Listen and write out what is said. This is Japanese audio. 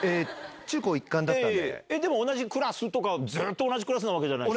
でも同じクラスとかずっと同じクラスじゃないでしょ。